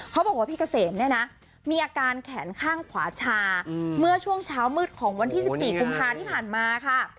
เขาบอกว่าพี่เกษมเนี่ยนะมีอาการแขนข้างขวาชาเมื่อช่วงเช้ามืดของวันที่๑๔กุมภาที่ผ่านมาค่ะ